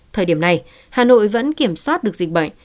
thời điểm này hà nội vẫn kiểm soát được dịch bệnh